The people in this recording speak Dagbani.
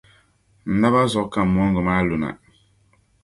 N-naba zuɣu ka moongu maa luna.